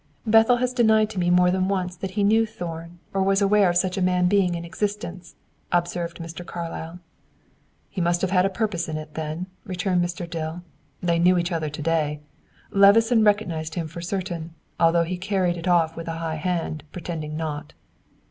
"Bethel has denied to me more than once that he knew Thorn, or was aware of such a man being in existence," observed Mr. Carlyle. "He must have had a purpose in it, then," returned Mr. Dill. "They knew each other to day. Levison recognized him for certain, although he carried it off with a high hand, pretending not."